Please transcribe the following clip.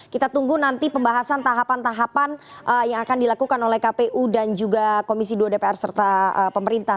kita tunggu nanti pembahasan tahapan tahapan yang akan dilakukan oleh kpu dan juga komisi dua dpr serta pemerintah